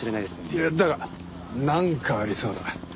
いやだがなんかありそうだ。